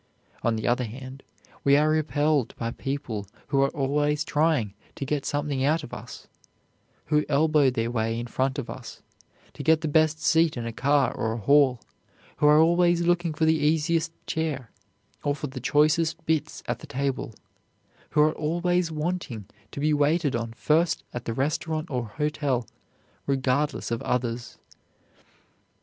On the other hand, we are repelled by people who are always trying to get something out of us, who elbow their way in front of us, to get the best seat in a car or a hall, who are always looking for the easiest chair, or for the choicest bits at the table, who are always wanting to be waited on first at the restaurant or hotel, regardless of others.